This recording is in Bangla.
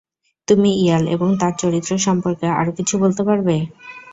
তুমি ইয়াল এবং তার চরিত্র সম্পর্কে আরও কিছু বলতে পারবে?